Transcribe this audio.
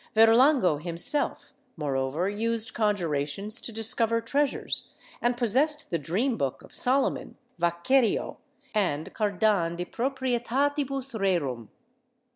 Verlango himself, moreover, used conjurations to discover treasures and possessed the Dream book of Solomon, "Vaquerio" and Cardan de Proprietatibus Rerum.